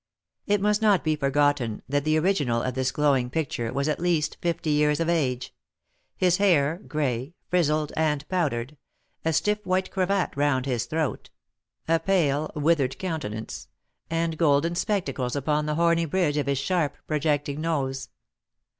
It must not be forgotten that the original of this glowing picture was at least fifty years of age; his hair gray, frizzled and powdered; a stiff white cravat round his throat; a pale, withered countenance; and golden spectacles upon the horny bridge of his sharp, projecting nose.